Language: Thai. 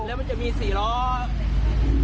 แล้วมันจะมีสี่ล้อสี่ล้อวิ่งวิ่งมาตามแทรวเลอร์ครับ